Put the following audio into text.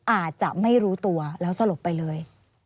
อาจจะไม่รู้ตัวแล้วสลบไปเลย